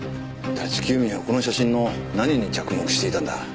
立木由美はこの写真の何に着目していたんだ？